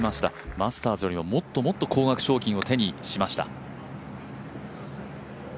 マスターズよりも、もっともっと高額賞金を手にしました。